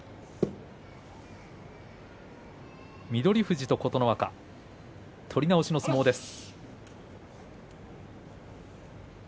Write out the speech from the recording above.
富士と琴ノ若取り直しの相撲です。